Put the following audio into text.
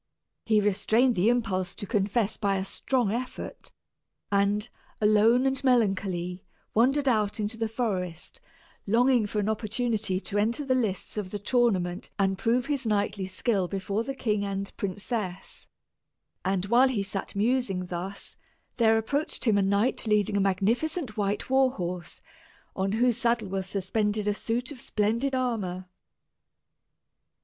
He restrained the impulse to confess by a strong effort, and, alone and melancholy, wandered out into the forest longing for an opportunity to enter the lists of the tournament and prove his knightly skill before the king and princess; and while he sat musing thus, there approached him a knight leading a magnificent white war horse, on whose saddle was suspended a suit of splendid armor.